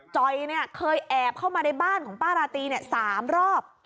จอยเนี่ยเคยแอบเข้ามาในบ้านของป้าราตรี๓รอบ